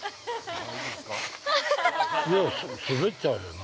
滑っちゃうよな。